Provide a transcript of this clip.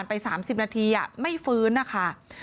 หน่วยกู้ไภก็นำร่างนายจำปาลงมาข้างล่างแล้วก็ปั๊มต่อนะก็ยังไม่ฟื้น